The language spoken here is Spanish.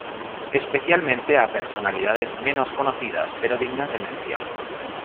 Especialmente a personalidades menos conocidas pero dignas de mención.